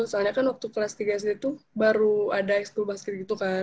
soalnya kan waktu kelas tiga sd itu baru ada exco basket gitu kan